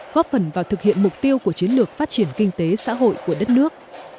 góp phần vào thực hiện mục tiêu của chiến lược phát triển kinh tế xã hội của đất nước